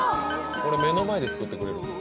これ目の前で作ってくれるの？